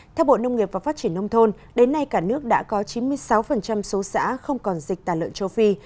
theo bộ nông nghiệp và phát triển nông thôn đến nay cả nước đã có chín mươi sáu số xã không còn dịch tả lợn châu phi